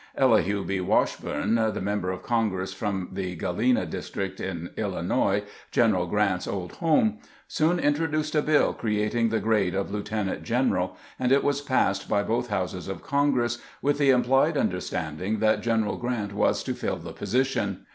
EHhu B. Washburhe, the member of Congress from the Galena district in Illinois, General Grant's old home, soon introduced a bill creating the grade of lieu tenant general, and it was passed by both houses of Congress, with the implied understanding that General Grant was to fill the position.